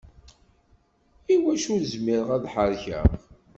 Iwacu ur zmireɣ ad ḥerrkeɣ?